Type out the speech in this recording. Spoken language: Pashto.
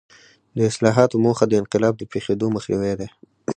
د اصلاحاتو موخه د انقلاب د پېښېدو مخنیوی دی.